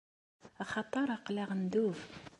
Axaṭer aql-aɣ ndub.